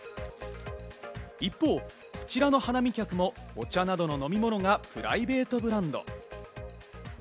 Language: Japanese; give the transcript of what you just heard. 一方、こちらの花見客もお茶などの飲み物がプライベートブランド。